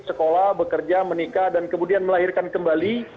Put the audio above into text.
sekolah bekerja menikah dan kemudian melahirkan kembali